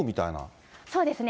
そうですね。